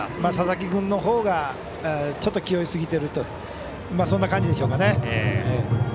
佐々木君のほうがちょっと気負いすぎてるとそんな感じでしょうかね。